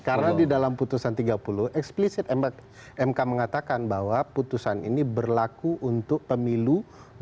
karena di dalam putusan tiga puluh eksplisit mk mengatakan bahwa putusan ini berlaku untuk pemilu dua ribu sembilan belas